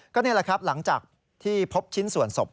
ก็นี่แหละครับหลังจากที่พบชิ้นส่วนศพ